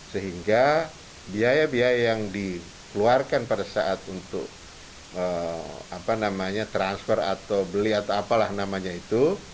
sehingga biaya biaya yang dikeluarkan pada saat untuk transfer atau beli atau apalah namanya itu